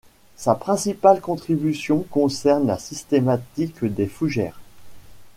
Sa principale contribution concerne la systématique des fougères.